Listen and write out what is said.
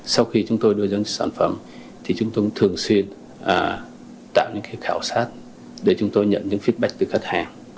sau khi chúng tôi đưa ra những sản phẩm thì chúng tôi thường xuyên tạo những khảo sát để chúng tôi nhận những feedback từ khách hàng